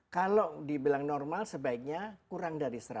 kalau dibilang normal sebaiknya